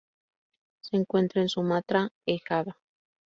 Se encuentra en Sumatra e Java.